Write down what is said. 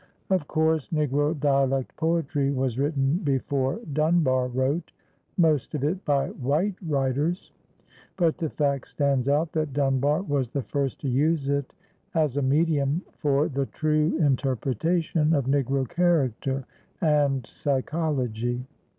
Of course, Negro dialect poetry was written before Dunbar wrote, most of it by white writers; but the fact stands out that Dunbar was the first to use it as a medium for the true interpretation of Negro character and psychology.